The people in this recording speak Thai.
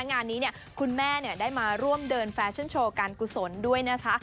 งานนี้คุณแม่ได้มาร่วมเดินแฟชั่นโชว์การกุศลด้วยนะคะ